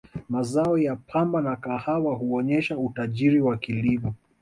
mazao ya pamba na kahawa huonesha utajiri wa kilimo